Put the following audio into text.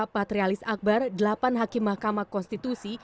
patrialis akbar delapan hakim mahkamah konstitusi